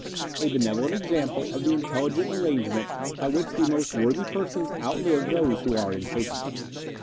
A Benevolent Example of the Intelligent Arrangement by which the most Worthy Persons outlive those who are Incapable.